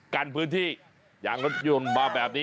กันพื้นที่ยางรถยนต์มาแบบนี้